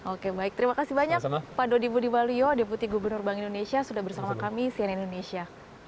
oke baik terima kasih banyak pak dodi budiwalyo deputi gubernur bank indonesia sudah bersama kami di asean indonesia